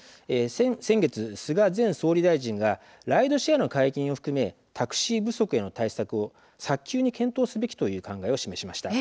先月、菅前総理大臣がライドシェアの解禁を含めタクシー不足への対策を早急に検討すべきという考えを示しました。